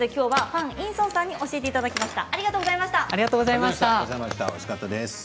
ファン・インソンさんに教えていただきました。